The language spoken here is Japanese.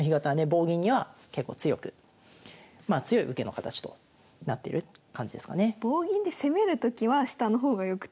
棒銀には結構強くまあ強い受けの形となってる感じですかね。